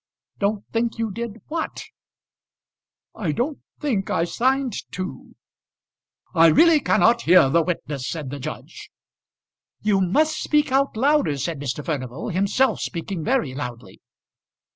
"Don't think you did what?" "I don't think I signed two " "I really cannot hear the witness," said the judge "You must speak out louder," said Mr. Furnival, himself speaking very loudly.